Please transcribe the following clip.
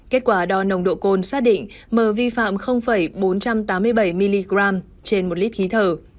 kết quả đo nồng độ cồn xác định mờ vi phạm bốn trăm tám mươi bảy mg trên một lít khí thở